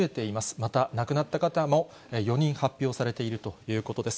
また亡くなった方も４人発表されているということです。